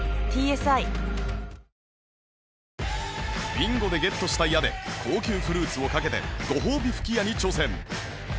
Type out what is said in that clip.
ビンゴでゲットした矢で高級フルーツをかけてご褒美吹き矢に挑戦